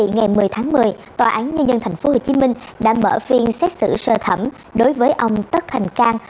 ngày một mươi tháng một mươi tòa án nhân dân tp hcm đã mở phiên xét xử sơ thẩm đối với ông tất thành cang